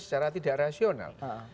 secara tidak rasional